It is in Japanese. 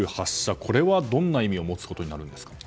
これはどんな意味を持つことになるんですか。